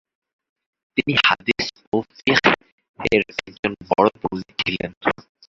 তিনি হাদিস ও ফিকহের একজন বড় পণ্ডিত ছিলেন।